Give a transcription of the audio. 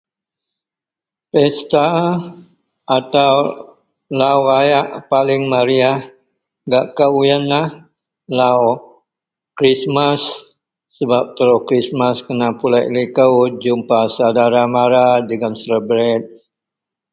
Pesta atau lau rayak paling meriyah gak akou iyenlah lau Krismas sebab telo Krismas kena pulek liko kumpa saudara mara jegem selebret